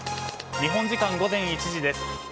日本時間午前１時です。